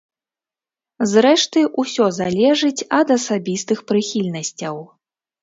Зрэшты, усё залежыць ад асабістых прыхільнасцяў.